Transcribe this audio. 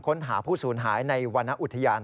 ค้นหาผู้สูญหายในวรรณอุทยาน